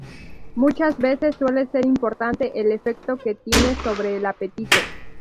Muchas veces suele ser importante el efecto que tienen sobre el apetito.